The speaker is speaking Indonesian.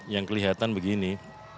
yang kelihatan begini